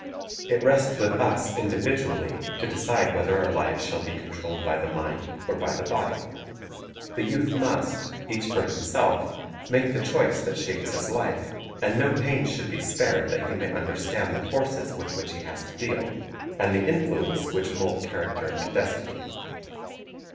It rests with us individually to decide whether our lives shall be controlled by the mind or by the body. The youth must, each for himself, make the choice that shapes his life; and no pains should be spared that he may under stand the forces with which he has to deal, and the influences which mould character and destiny.